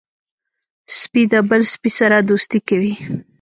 سپي د بل سپي سره دوستي کوي.